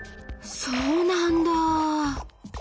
そうなんだ！